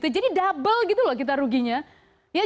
jadi double gitu loh kita ruginya